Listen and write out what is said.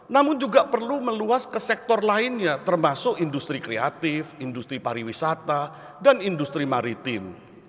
namun juga perlu meluas ke sektor lainnya termasuk industri kreatif industri pariwisata dan industri maritim